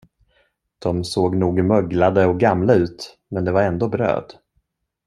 De såg nog möglade och gamla ut, men det var ändå bröd.